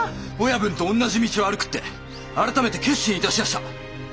親分とおんなじ道を歩くって改めて決心致しやした。